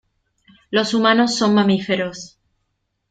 Los humanos son mamíferos.